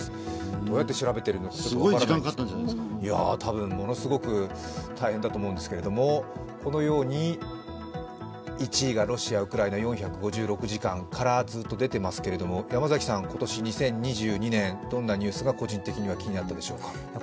どうやって調べているのか分からないんですが、ものすごく大変だと思うんですけれども、このように１位がロシア・ウクライナ４５６時間からずっと出ていますけれども今年、２０２２年、どんなニュースが個人的には気になったでしょうか？